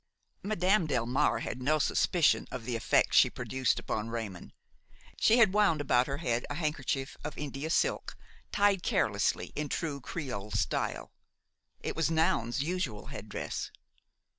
Madame Delmare had no suspicion of the effect she produced upon Raymon. She had wound about her head a handkerchief of India silk, tied carelessly in true creole style; it was Noun's usual headdress.